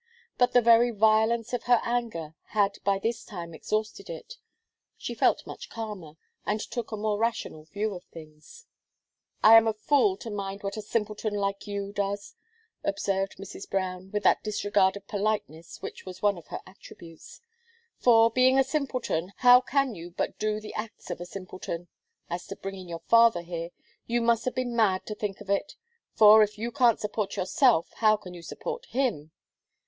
But the very violence of her anger had by this time exhausted it; she felt much calmer, and took a more rational view of things. "I am a fool to mind what a simpleton like you does," observed Mrs. Brown, with that disregard of politeness which was one of her attributes; "for, being a simpleton, how can you but do the acts of a simpleton? As to bringing your father here, you must have been mad to think of it; for, if you can't support yourself, how can you support him?